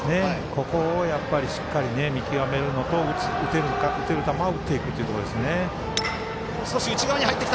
ここを、やっぱりしっかり見極めるのと打てる球を打っていくことですね。